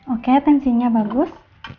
oke tensinya bagus